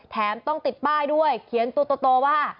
แถมต้องติดป้ายด้วยเขียนตัวว่า